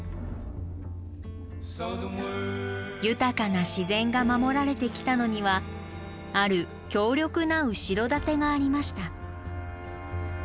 豊かな自然が守られてきたのにはある強力な後ろ盾がありました。